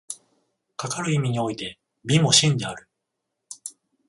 かかる意味において美も真である。